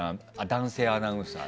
男性アナウンサー。